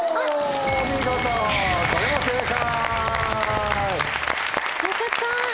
お見事これも正解！